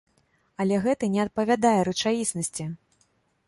Але гэта не адпавядае рэчаіснасці!